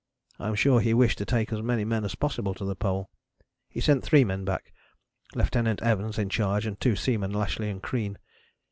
I am sure he wished to take as many men as possible to the Pole. He sent three men back: Lieutenant Evans in charge, and two seamen, Lashly and Crean.